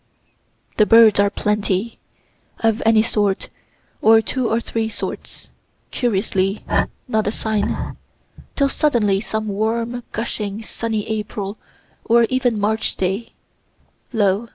The birds are plenty; of any sort, or of two or three sorts, curiously, not a sign, till suddenly some warm, gushing, sunny April (or even March) day lo!